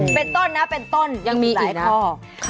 เป็นต้นนะเป็นต้นยังมีอีกข้อ